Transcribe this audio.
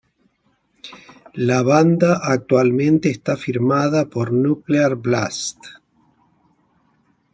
La banda actualmente está firmada por Nuclear Blast.